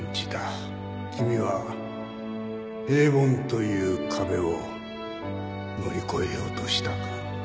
君は平凡という壁を乗り越えようとしたか？